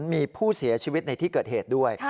มีผู้เสียชีวิตในที่เกิดเหตุด้วย